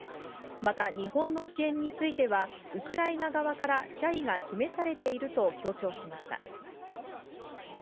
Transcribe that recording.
また、日本の支援については、ウクライナ側から謝意が示されていると強調しました。